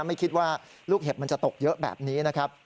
ไม่คิดว่าลูกเห็บมันจะตกเยอะแบบนี้นะครับ